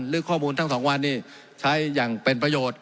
หรือข้อมูลทั้งสองวันนี้ใช้อย่างเป็นประโยชน์